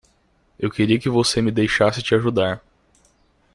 Eu queria que você me deixasse te ajudar.